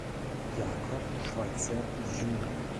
Jakob Schweizer jun.